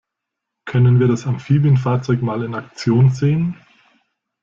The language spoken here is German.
Können wir das Amphibienfahrzeug mal in Aktion sehen?